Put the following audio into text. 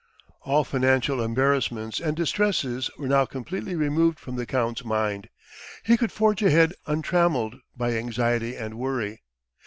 All financial embarrassments and distresses were now completely removed from the Count's mind. He could forge ahead untrammelled by anxiety and worry.